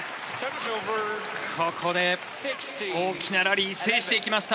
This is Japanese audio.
ここで大きなラリー制していきました。